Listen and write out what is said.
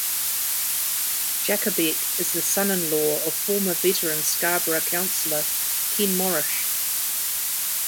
Jakobek is the son-in-law of former veteran Scarborough councillor Ken Morrish.